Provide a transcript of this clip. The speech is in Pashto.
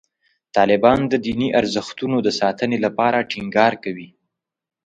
طالبان د دیني ارزښتونو د ساتنې لپاره ټینګار کوي.